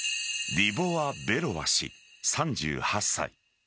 リボワ・ベロワ氏、３８歳。